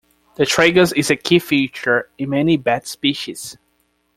The tragus is a key feature in many bat species.